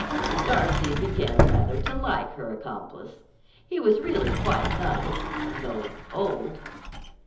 Darcy began rather to like her accomplice. He was really quite nice—though old.